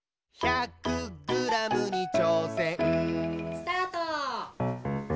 ・スタート！